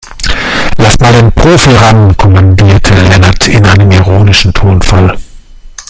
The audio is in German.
Lass mal den Profi ran, kommandierte Lennart in einem ironischen Tonfall.